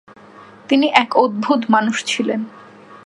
তিনি এক অদ্ভুত মানুষ ছিলেন।